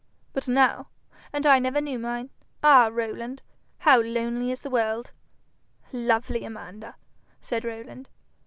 'But now! And I never knew mine! Ah, Rowland, how lonely is the world!' 'Lovely Amanda!' said Rowland.